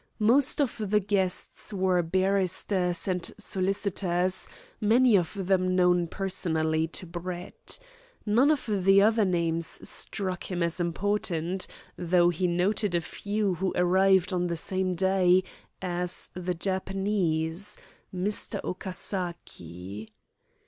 Most of the guests were barristers and solicitors, many of them known personally to Brett. None of the other names struck him as important, though he noted a few who arrived on the same day as the Japanese, "Mr. Okasaki."